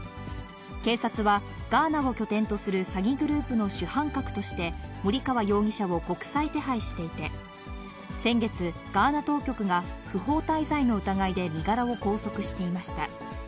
警察は、ガーナを拠点とする詐欺グループの主犯格として、森川容疑者を国際手配していて、先月、ガーナ当局が不法滞在の疑いで身柄を拘束していました。